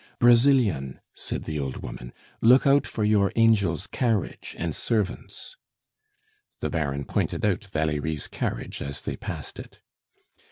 "Brazilian," said the old woman, "look out for your angel's carriage and servants." The Baron pointed out Valerie's carriage as they passed it.